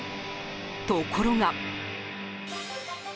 ところが。